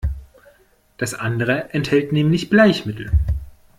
Das andere enthält nämlich Bleichmittel.